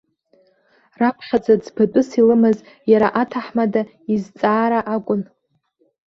Раԥхьаӡа ӡбатәыс илымаз иара аҭаҳмада изҵаара акәын.